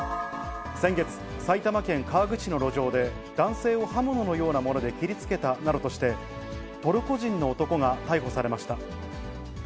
先月、埼玉県川口市の路上で、男性を刃物のようなもので切りつけたなどとして、トルコ人の男が逮捕されました。